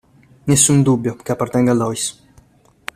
Nessun dubbio che appartenga a Lois!